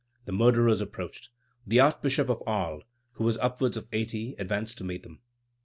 The murderers approached. The Archbishop of Arles, who was upwards of eighty, advanced to meet them.